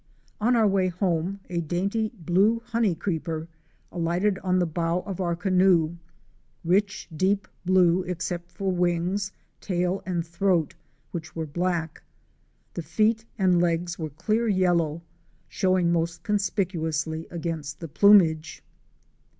On our way home a dainty Blue Honey Creeper ' alighted on the bow of our canoe; rich deep blue except for wings, tail and throat which were black. The feet and legs were clear yellow, showing most conspicuously against the plumage.